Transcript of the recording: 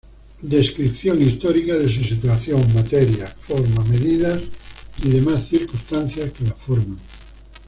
Descripción histórica de su situación, materia, forma, medidas y demás circunstancias que la forman.